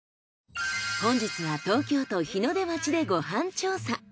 本日は東京都日の出町でご飯調査。